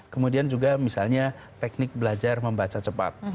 kemudian juga misalnya teknik belajar membaca cepat